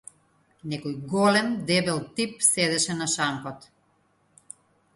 Некој голем, дебел тип седеше на шанкот.